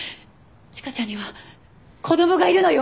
千佳ちゃんには子供がいるのよ！